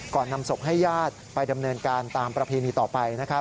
ก่อนนำศพให้ญาติไปดำเนินการตามประพีนีต่อไปนะครับ